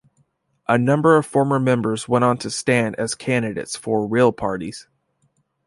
A number of former members went on to stand as candidates for "real" parties.